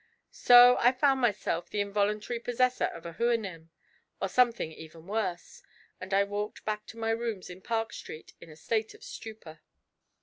So I found myself the involuntary possessor of a Houyhnhnm, or something even worse, and I walked back to my rooms in Park Street in a state of stupor.